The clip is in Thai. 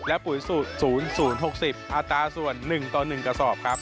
และปุ๋ย๐๐๖๐อัตราส่วน๑ต่อ๑กระสอบครับ